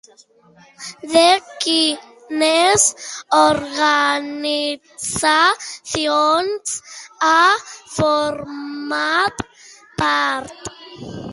De quines organitzacions ha format part?